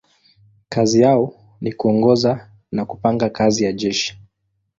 Kazi yao ni kuongoza na kupanga kazi ya jeshi.